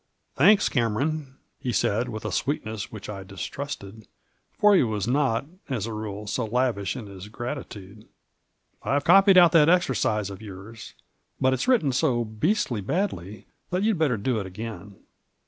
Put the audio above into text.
" Thanks, Cameron," he said, with a sweetness which I distrusted, for he was not, as a rule, so lavish in his gratitude. " I've copied out that exercise of yours, but it's written so beastly badly that you'd better do it again."